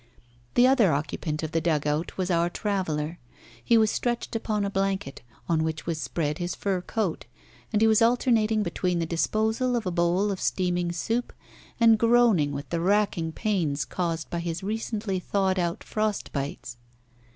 The other occupant of the dugout was our traveller. He was stretched upon a blanket, on which was spread his fur coat; and he was alternating between the disposal of a bowl of steaming soup and groaning with the racking pains caused by his recently thawed out frost bites.